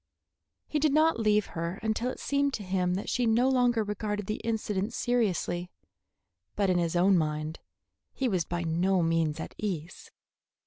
He did not leave her until it seemed to him that she no longer regarded the incident seriously; but in his own mind he was by no means at ease.